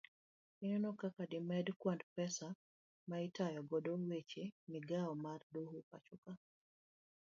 Eneno kaka demed kwand pesa ma itayo godo weche migao mar doho pachoka